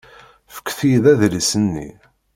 Fket-iyi-d adlis-nni.